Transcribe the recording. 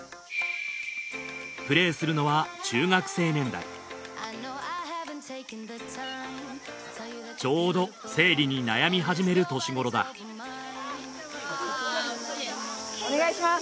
プレーするのはちょうど生理に悩み始める年ごろだお願いします